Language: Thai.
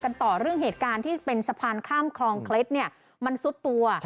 ต่อเรื่องเหตุการณ์ที่เป็นสะพานข้ามคลองเคล็ดเนี่ยมันซุดตัว